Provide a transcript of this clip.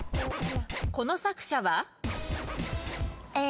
この作者は？え。